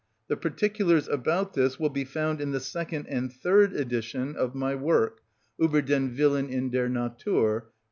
The particulars about this will be found in the second (and third) edition of my work, "Ueber den Willen in der Natur," p.